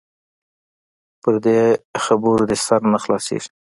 پر دې خبرو دې سر نه خلاصيږي.